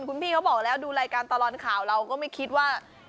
คุณพี่เขาบอกแล้วดูรายการตลอดข่าวเราก็ไม่คิดว่า